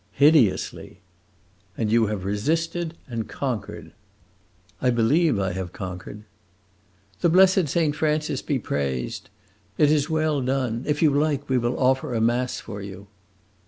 "Hideously!" "And you have resisted and conquered!" "I believe I have conquered." "The blessed Saint Francis be praised! It is well done. If you like, we will offer a mass for you."